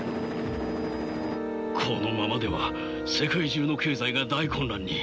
このままでは世界中の経済が大混乱に。